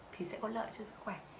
thì sẽ có lợi cho sức khỏe